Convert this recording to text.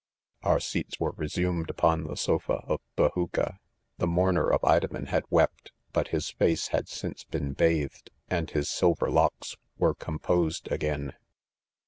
* Our seats were resumed upon . the sqfa of bajuca. . The mourner. of Idoraen ba'dwepk bu£ his face had since, been bathed, and 'his silver locks . were composed again.